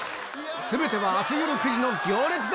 全ては明日夜９時の『行列』で！